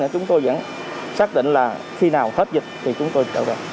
chúng tôi vẫn xác định là khi nào hết dịch thì chúng tôi đều được